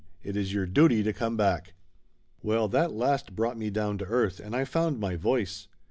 It is your duty to come back." Well, that last brought me down to earth and I found my voice.